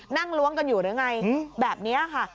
ล้วงกันอยู่หรือไงแบบนี้ค่ะ